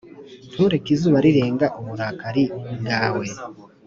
ntureke izuba rirenga uburakari bwawe